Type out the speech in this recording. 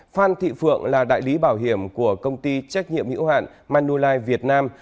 phan thị phượng là đại lý bảo hiểm của công ty trách nhiệm hữu hạn manulife việt nam